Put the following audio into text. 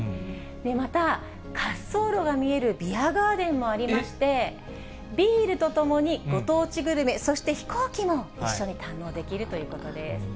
また滑走路が見えるビアガーデンもありまして、ビールとともにご当地グルメ、そして飛行機も一緒に堪能できるということです。